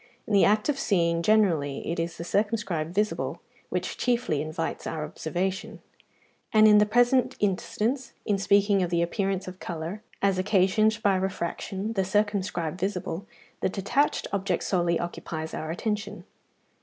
In the act of seeing, generally, it is the circumscribed visible which chiefly invites our observation; and in the present instance, in speaking of the appearance of colour, as occasioned by refraction, the circumscribed visible, the detached object solely occupies our attention.